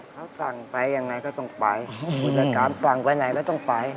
เขาสั่งไปยังไงก็ต้องไปผู้จัดการสั่งไปไหนก็ต้องไป